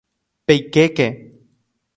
¡Peikéke!